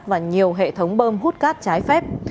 và nhiều hệ thống bơm hút cát trái phép